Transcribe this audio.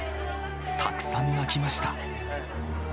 たくさん泣きました。